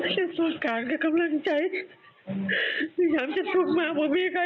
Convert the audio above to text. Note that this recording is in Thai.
ช่วยสวดกากให้กำลังใจ